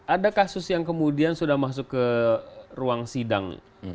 ada kasus yang kemudian sudah masuk ke ruang sidang